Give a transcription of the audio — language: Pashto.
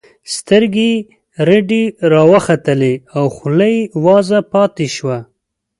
سترګې یې رډې راوختلې او خوله یې وازه پاتې شوه